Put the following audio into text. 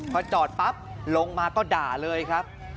พอจอดปั๊บลงมาก็ด่าเลยครับ